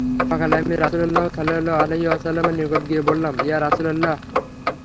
সকালে আমি রাসূলুল্লাহ সাল্লাল্লাহু আলাইহি ওয়াসাল্লামের নিকট গিয়ে বললাম, ইয়া রাসূলাল্লাহ!